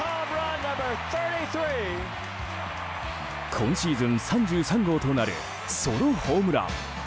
今シーズン３３号となるソロホームラン。